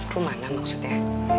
rumah mana maksudnya